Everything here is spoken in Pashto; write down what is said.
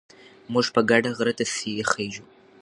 موږ په ګډه غره ته خېژو.